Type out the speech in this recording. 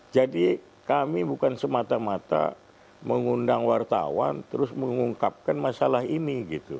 jadi kami bukan semata mata mengundang wartawan terus mengungkapkan masalah ini